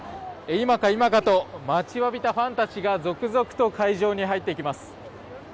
今か今かと待ちわびたファンたちが続々と会場に入っていきます。